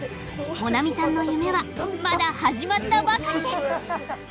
萌菜見さんの夢はまだ始まったばかりです！